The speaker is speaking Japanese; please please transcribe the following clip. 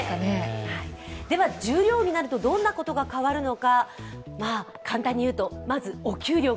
では、十両になるとどんなことが変わるのか。